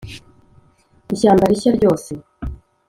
ishyamba rishya ryose